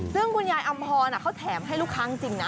เรื่องคุณยายอำภอลน่ะเขาแถมให้ลูกค้างจริงนะ